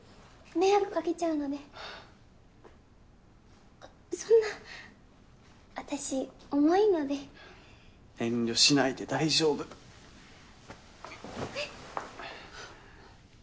迷惑かけちゃうのでそんな私重いので遠慮しないで大丈夫えっ？